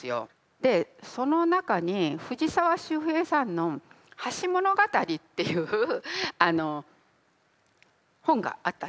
でその中に藤沢周平さんの「橋ものがたり」っていう本があったんですね。